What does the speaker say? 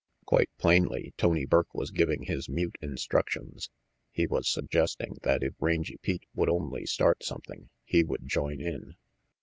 Quite plainly, Tony Burke was giving his mute instructions. He was suggesting that if Rangy Pete would only start something, he would join in.